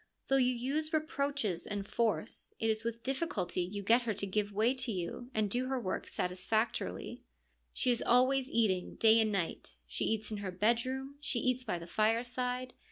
Though you use re proaches and force, it is with difficulty you get her to give way to you and do her work satisfactorily. She is always eating, day and night ; she eats in her bedroom, she eats by the fireside.